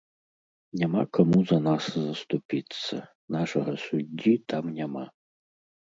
Няма каму за нас заступіцца, нашага суддзі там няма.